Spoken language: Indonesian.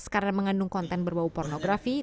karena mengandung konten berbau pornografi